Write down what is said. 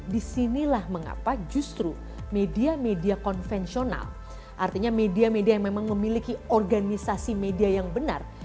disinilah mengapa justru media media konvensional artinya media media yang memang memiliki organisasi media yang benar